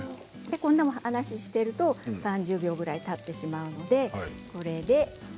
こんな話をしていると３０秒ぐらいたってしまいます。